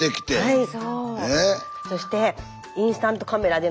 はい。